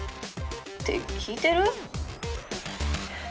「って聞いてる？」。